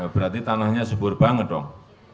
berarti tanahnya subur banget dong